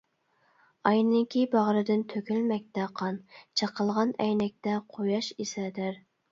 ئاينىڭكى باغرىدىن تۆكۈلمەكتە قان، چېقىلغان ئەينەكتە قۇياش ئېسەدەر.